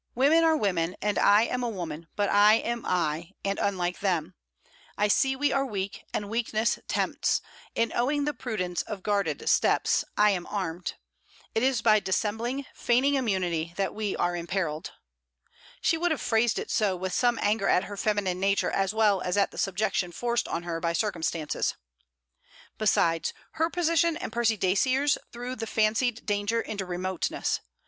'Women are women, and I am a woman but I am I, and unlike them: I see we are weak, and weakness tempts: in owning the prudence of guarded steps, I am armed. It is by dissembling, feigning immunity, that we are imperilled.' She would have phrased it so, with some anger at her feminine nature as well as at the subjection forced on her by circumstances. Besides, her position and Percy Dacier's threw the fancied danger into remoteness.